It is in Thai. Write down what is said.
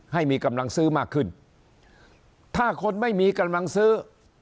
ให้มีกำลังซื้อมากขึ้นถ้าคนไม่มีกำลังซื้อ